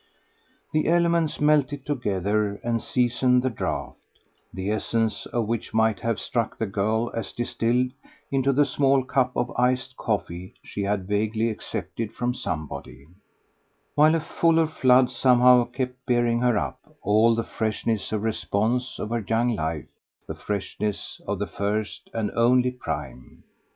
The elements melted together and seasoned the draught, the essence of which might have struck the girl as distilled into the small cup of iced coffee she had vaguely accepted from somebody, while a fuller flood somehow kept bearing her up all the freshness of response of her young life, the freshness of the first and only prime.